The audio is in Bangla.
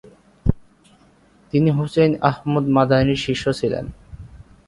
তিনি হুসেন আহমদ মাদানির শিষ্য ছিলেন।